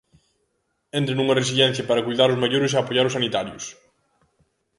Entra nunha residencia para coidar os maiores e apoiar os sanitarios.